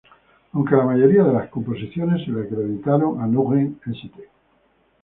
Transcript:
Aunque la mayoría de las composiciones se le acreditaron a Nugent, St.